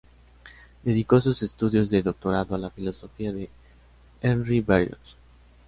Dedicó sus estudios de doctorado a la filosofía de Henri Bergson.